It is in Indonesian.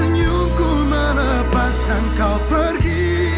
nyungkul melepaskan kau pergi